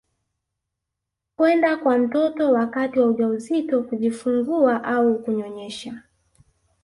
kwenda kwa mtoto wakati wa ujauzito kujifungua au kunyonyesha